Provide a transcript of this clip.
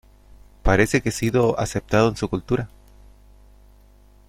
Parece que he sido aceptado en su cultura.